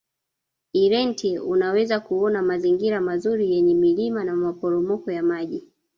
irente unaweza kuona mazingira mazuri yenye milima na maporomoko ya maji